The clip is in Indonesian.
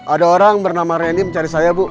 ada orang bernama reni mencari saya bu